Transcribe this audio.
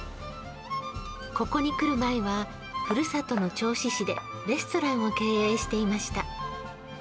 ここに来る前はふるさとの銚子市でレストランを経営していました。